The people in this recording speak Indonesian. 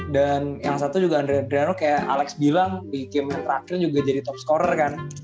dan yang satu juga andreano kayak alex bilang di game yang terakhir juga jadi top scorer kan